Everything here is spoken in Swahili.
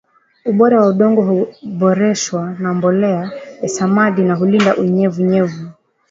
ubora wa udongo huboreshwa na mbolea ya samadi na hulinda unyevu unyevu